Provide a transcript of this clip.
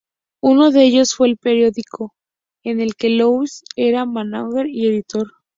Uno de ellos fue el periódico en el que Louis era mánager y editor.